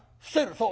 そう。